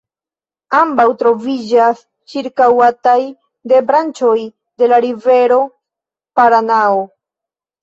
Ambaŭ troviĝas ĉirkaŭataj de branĉoj de la rivero Paranao.